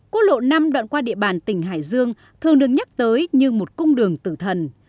quốc lộ năm đoạn qua địa bàn tỉnh hải dương thường được nhắc tới như một cung đường tử thần